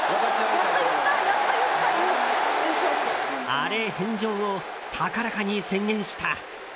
アレ返上を高らかに宣言した！